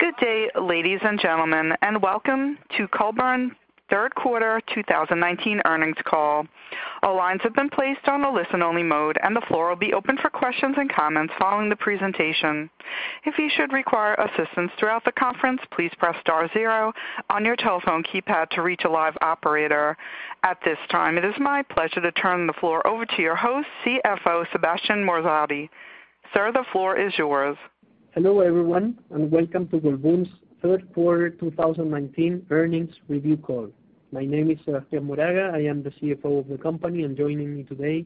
Good day, ladies and gentlemen, and welcome to Colbún 3rd quarter 2019 earnings call. All lines have been placed on a listen-only mode, and the floor will be open for questions and comments following the presentation. If you should require assistance throughout the conference, please press star 0 on your telephone keypad to reach a live operator. At this time, it is my pleasure to turn the floor over to your host, CFO, Sebastián Moraga. Sir, the floor is yours. Hello, everyone, welcome to Colbún's third quarter 2019 earnings review call. My name is Sebastián Moraga. I am the CFO of the company, and joining me today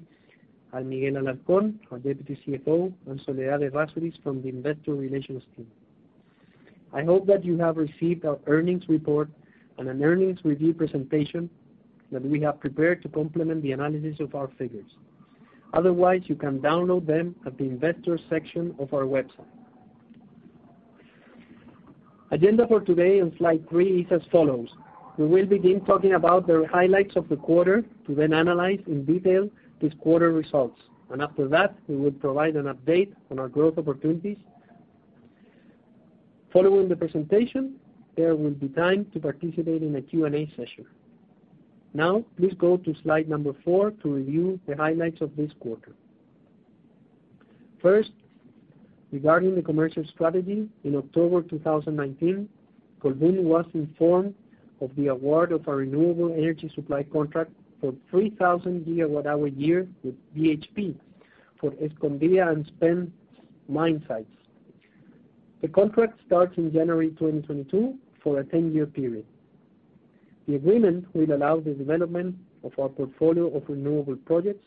are Miguel Alarcón, our Deputy CFO, and Soledad Errázuriz from the investor relations team. I hope that you have received our earnings report and an earnings review presentation that we have prepared to complement the analysis of our figures. Otherwise, you can download them at the investors section of our website. Agenda for today on slide three is as follows. We will begin talking about the highlights of the quarter to then analyze in detail this quarter results. After that, we will provide an update on our growth opportunities. Following the presentation, there will be time to participate in a Q&A session. Please go to slide number four to review the highlights of this quarter. First, regarding the commercial strategy, in October 2019, Colbún was informed of the award of a renewable energy supply contract for 3,000 gigawatt hour a year with BHP for Escondida and Spence mine sites. The contract starts in January 2022 for a 10-year period. The agreement will allow the development of our portfolio of renewable projects,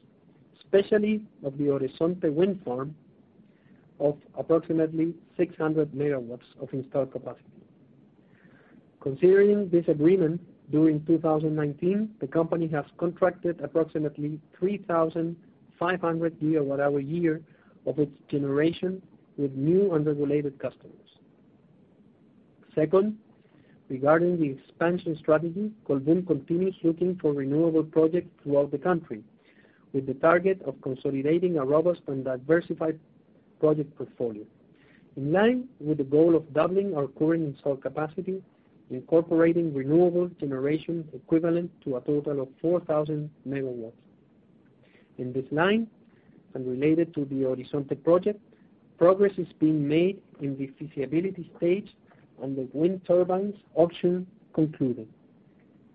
especially of the Horizonte wind farm of approximately 600 megawatts of installed capacity. Considering this agreement, during 2019, the company has contracted approximately 3,500 gigawatt hour a year of its generation with new and related customers. Second, regarding the expansion strategy, Colbún continues looking for renewable projects throughout the country with the target of consolidating a robust and diversified project portfolio. In line with the goal of doubling our current installed capacity, incorporating renewable generation equivalent to a total of 4,000 megawatts. In this line, and related to the Horizonte project, progress is being made in the feasibility stage and the wind turbines auction concluded.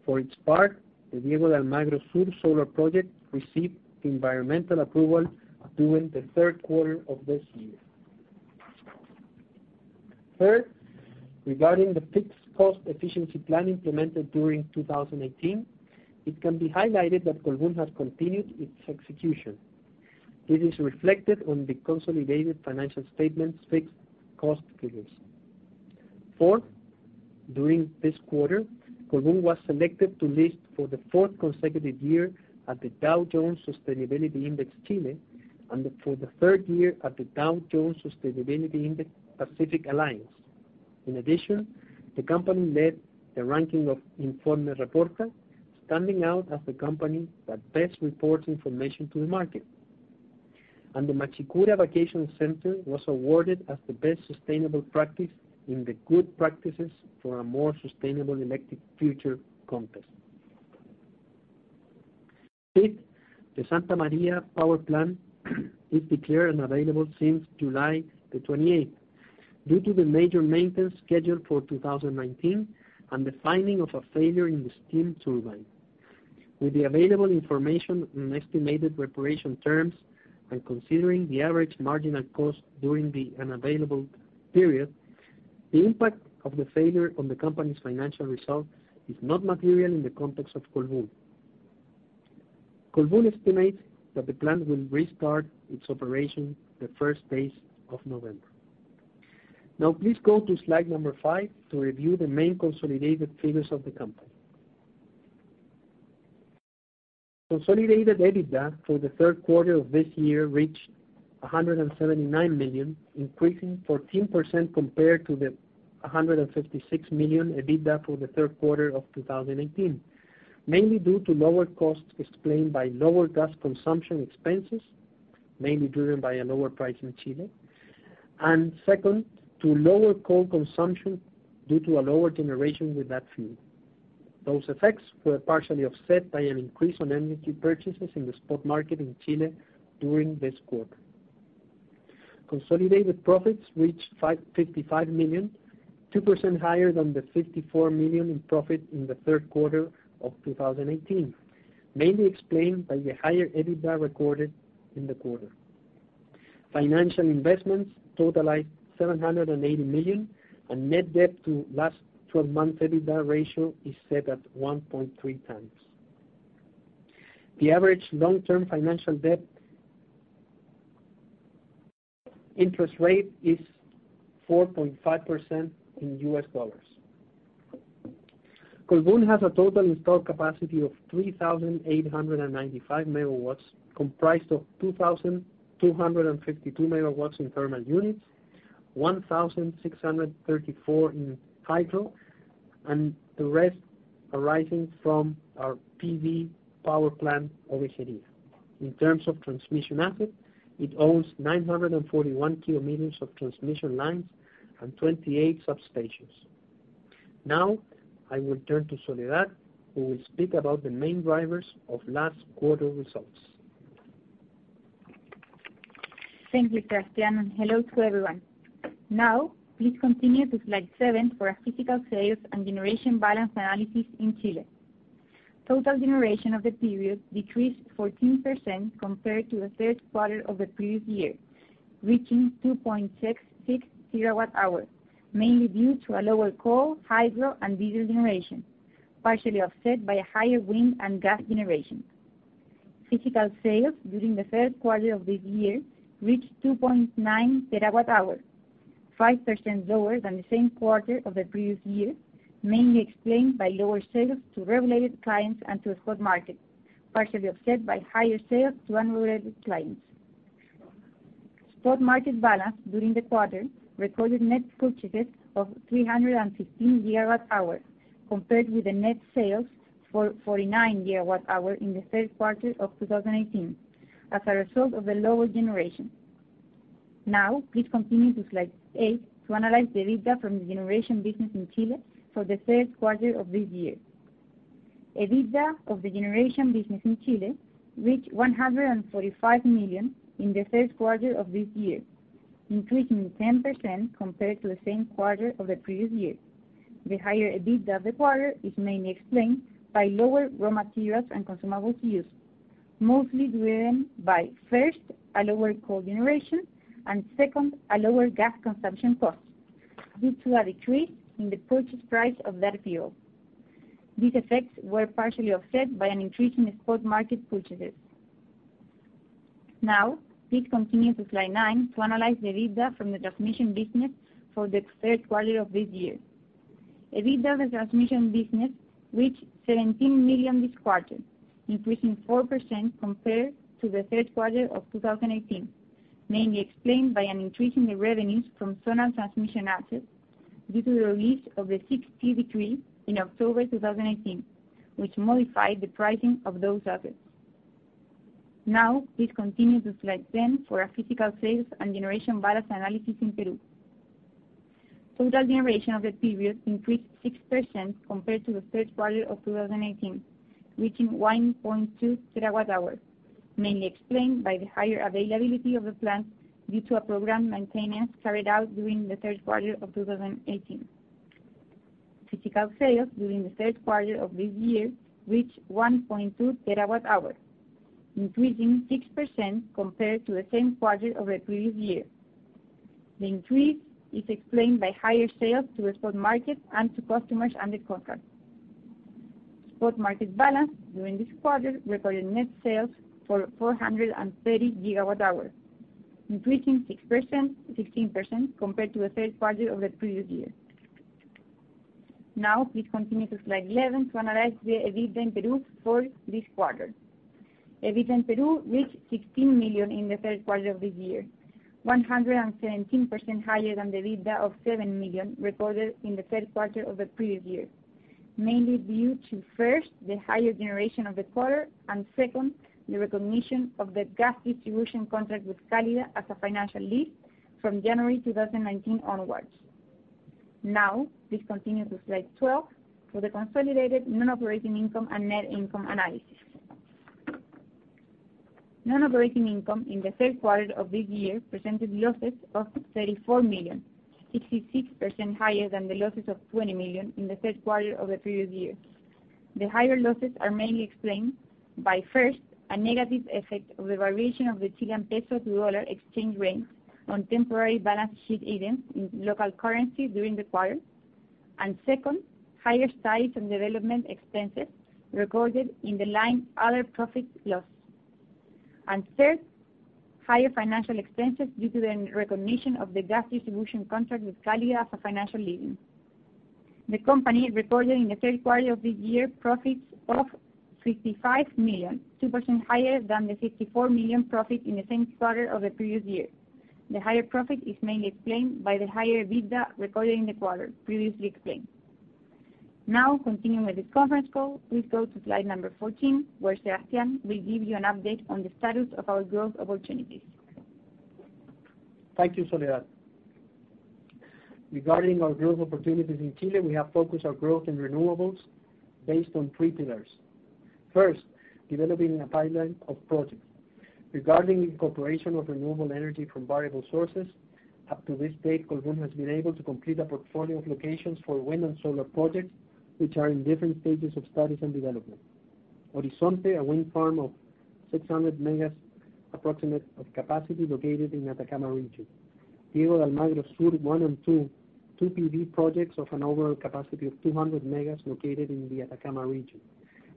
For its part, the Diego de Almagro Solar Project received environmental approval during the third quarter of this year. Third, regarding the fixed cost efficiency plan implemented during 2018, it can be highlighted that Colbún has continued its execution. It is reflected on the consolidated financial statements fixed cost figures. Fourth, during this quarter, Colbún was selected to list for the fourth consecutive year at the Dow Jones Sustainability Index Chile, and for the third year at the Dow Jones Sustainability Index Pacific Alliance. In addition, the company led the ranking of Informe Reporta, standing out as the company that best reports information to the market. The Machicura Vacation Center was awarded as the best sustainable practice in the Good Practices for a More Sustainable Electric Future contest. Fifth, the Santa María power plant is declared unavailable since July the 28th due to the major maintenance scheduled for 2019 and the finding of a failure in the steam turbine. With the available information on estimated reparation terms and considering the average marginal cost during the unavailable period, the impact of the failure on the company's financial results is not material in the context of Colbún. Colbún estimates that the plant will restart its operation the first days of November. Now, please go to slide number five to review the main consolidated figures of the company. Consolidated EBITDA for the third quarter of this year reached $179 million, increasing 14% compared to the $156 million EBITDA for the third quarter of 2018. Mainly due to lower costs explained by lower gas consumption expenses, mainly driven by a lower price in Chile. Second, to lower coal consumption due to a lower generation with that field. Those effects were partially offset by an increase on energy purchases in the spot market in Chile during this quarter. Consolidated profits reached $55 million, 2% higher than the $54 million in profit in the third quarter of 2018, mainly explained by the higher EBITDA recorded in the quarter. Financial investments totalize $780 million, and net debt to last 12 months EBITDA ratio is set at 1.3 times. The average long-term financial debt interest rate is 4.5% in US dollars. Colbún has a total installed capacity of 3,895 MW, comprised of 2,252 MW in thermal units, 1,634 in hydro, and the rest arising from our PV power plant, Horizonte. In terms of transmission assets, it owns 941 km of transmission lines and 28 substations. Now I will turn to Soledad, who will speak about the main drivers of last quarter results. Thank you, Sebastián, hello to everyone. Please continue to slide seven for our physical sales and generation balance analysis in Chile. Total generation of the period decreased 14% compared to the third quarter of the previous year, reaching 2.66 terawatt-hours, mainly due to a lower coal, hydro, and diesel generation, partially offset by a higher wind and gas generation. Physical sales during the third quarter of this year reached 2.9 terawatt-hours, 5% lower than the same quarter of the previous year, mainly explained by lower sales to regulated clients and to the spot market, partially offset by higher sales to unregulated clients. Spot market balance during the quarter recorded net purchases of 315 gigawatt-hours, compared with the net sales for 49 gigawatt-hours in the third quarter of 2018 as a result of the lower generation. Please continue to slide eight to analyze the EBITDA from the generation business in Chile for the third quarter of this year. EBITDA of the generation business in Chile reached $145 million in the third quarter of this year, increasing 10% compared to the same quarter of the previous year. The higher EBITDA of the quarter is mainly explained by lower raw materials and consumables used, mostly driven by, first, a lower coal generation and second, a lower gas consumption cost due to a decrease in the purchase price of that fuel. These effects were partially offset by an increase in the spot market purchases. Please continue to slide nine to analyze the EBITDA from the transmission business for the third quarter of this year. EBITDA of the transmission business reached $17 million this quarter, increasing 4% compared to the third quarter of 2018, mainly explained by an increase in the revenues from zonal transmission assets due to the release of the Sixth VNR Decree in October 2018, which modified the pricing of those assets. Please continue to slide 10 for our physical sales and generation balance analysis in Peru. Total generation of the period increased 6% compared to the third quarter of 2018, reaching 1.2 terawatt-hours, mainly explained by the higher availability of the plants due to a program maintenance carried out during the third quarter of 2018. Physical sales during the third quarter of this year reached 1.2 terawatt-hours, increasing 6% compared to the same quarter of the previous year. The increase is explained by higher sales to the spot market and to customers under contract. Spot market balance during this quarter recorded net sales for 430 gigawatt-hours, increasing 16% compared to the third quarter of the previous year. Please continue to slide 11 to analyze the EBITDA in Peru for this quarter. EBITDA in Peru reached $16 million in the third quarter of this year, 117% higher than the EBITDA of $7 million recorded in the third quarter of the previous year, mainly due to, first, the higher generation of the quarter and second, the recognition of the gas distribution contract with Cálidda as a financial lease from January 2019 onwards. Please continue to slide 12 for the consolidated non-operating income and net income analysis. Non-operating income in the third quarter of this year presented losses of $34 million, 66% higher than the losses of $20 million in the third quarter of the previous year. The higher losses are mainly explained by, first, a negative effect of the valuation of the Chilean peso to dollar exchange rate on temporary balance sheet items in local currency during the quarter. Second, higher studies and development expenses recorded in the line other profit loss. Third, higher financial expenses due to the recognition of the gas distribution contract with Cálidda as a financial leasing. The company recorded in the third quarter of this year profits of 65 million, 2% higher than the 54 million profit in the same quarter of the previous year. The higher profit is mainly explained by the higher EBITDA recorded in the quarter previously explained. Continuing with this conference call, please go to slide number 14, where Sebastián will give you an update on the status of our growth opportunities. Thank you, Soledad. Regarding our growth opportunities in Chile, we have focused our growth on renewables based on three pillars. First, developing a pipeline of projects. Regarding the incorporation of renewable energy from variable sources, up to this date, Colbún has been able to complete a portfolio of locations for wind and solar projects, which are in different stages of studies and development. Horizonte, a wind farm of 600 MW approximate of capacity located in Atacama Region. Diego de Almagro Sur I and II, two PV projects of an overall capacity of 200 MW located in the Atacama Region.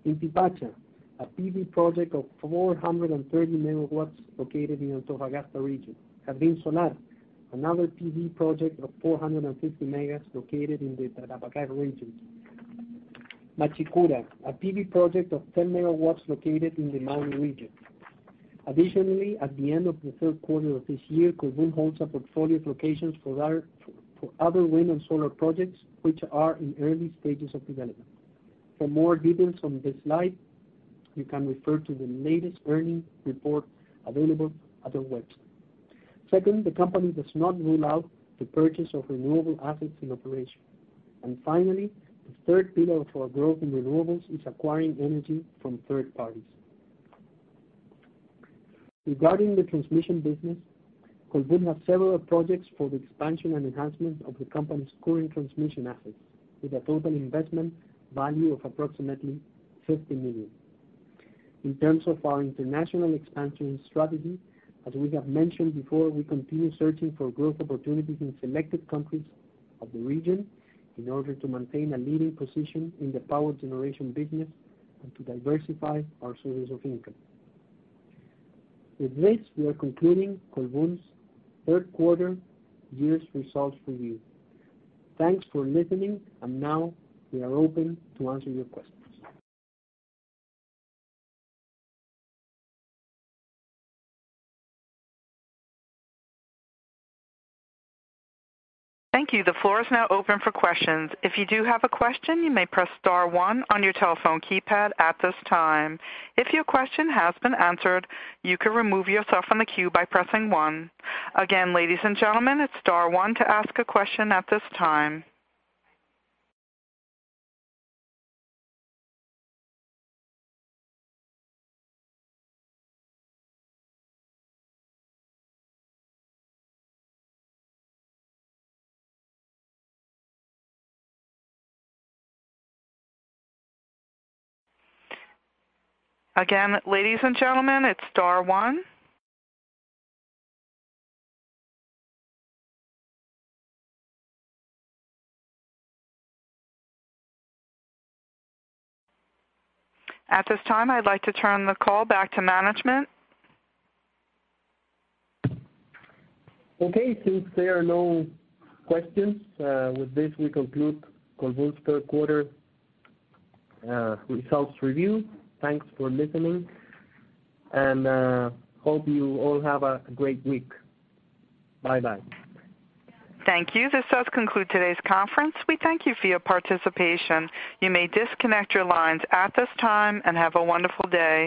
Inti Pacha Solar, a PV project of 430 MW located in Antofagasta Region. Jardín Solar, another PV project of 450 MW located in the Tarapacá Region. Machicura, a PV project of 10 MW located in the Maule Region. Additionally, at the end of the third quarter of this year, Colbún holds a portfolio of locations for other wind and solar projects, which are in early stages of development. For more details on this slide, you can refer to the latest earnings report available at our website. Second, the company does not rule out the purchase of renewable assets in operation. Finally, the third pillar of our growth in renewables is acquiring energy from third parties. Regarding the transmission business, Colbún has several projects for the expansion and enhancement of the company's current transmission assets, with a total investment value of approximately $50 million. In terms of our international expansion strategy, as we have mentioned before, we continue searching for growth opportunities in selected countries of the region in order to maintain a leading position in the power generation business and to diversify our sources of income. With this, we are concluding Colbún's third quarter year's results review. Thanks for listening. Now we are open to answer your questions. Thank you. The floor is now open for questions. If you do have a question, you may press star one on your telephone keypad at this time. If your question has been answered, you can remove yourself from the queue by pressing one. Again, ladies and gentlemen, it's star one to ask a question at this time. Again, ladies and gentlemen, it's star one. At this time, I'd like to turn the call back to management. Okay. Since there are no questions, with this we conclude Colbún's third quarter results review. Thanks for listening, and hope you all have a great week. Bye-bye. Thank you. This does conclude today's conference. We thank you for your participation. You may disconnect your lines at this time. Have a wonderful day.